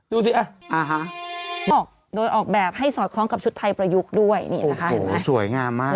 ดูสิบอกโดยออกแบบให้สอดคล้องกับชุดไทยประยุกต์ด้วยนี่นะคะเห็นไหมสวยงามมาก